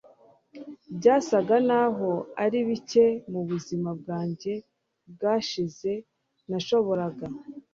byasaga naho ari bike mubuzima bwanjye bwashize nashoboraga